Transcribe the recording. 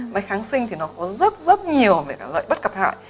mà kháng sinh thì nó có rất rất nhiều lợi bất cập hại